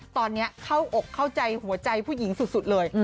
ตอนนี้เข้าอกเข้าใจหัวใจผู้หญิงสุดเลย